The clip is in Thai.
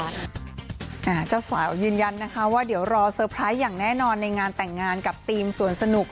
เจ้าสาวยืนยันนะคะว่าเดี๋ยวรอเตอร์ไพรส์อย่างแน่นอนในงานแต่งงานกับทีมสวนสนุก